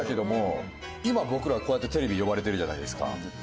今僕らはこうやってテレビ呼ばれてるじゃないですか。